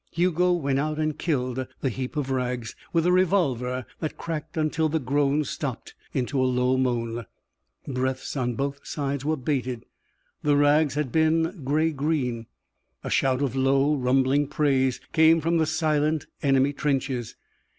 Hugo went out and killed the heap of rags, with a revolver that cracked until the groans stopped in a low moan. Breaths on both sides were bated. The rags had been gray green. A shout of low, rumbling praise came from the silent enemy trenches.